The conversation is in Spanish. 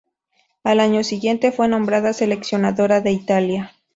Al año siguiente fue nombrada seleccionadora de Italia.